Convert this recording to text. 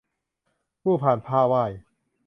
คู่พานผ้าไหว้